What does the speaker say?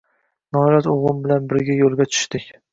Noiloj oʻgʻlim bilan birga yoʻlga tushdik.